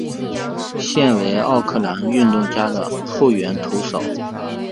现为奥克兰运动家的后援投手。